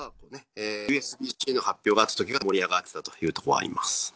ＵＳＢーＣの発表があったときに盛り上がってたというところはあります。